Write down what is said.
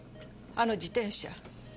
あの自転車。